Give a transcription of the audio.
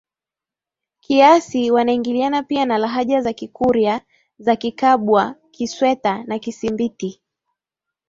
kiasi wanaingiliana pia na lahaja za Kikurya za Kikabhwa Kisweta na Kisimbiti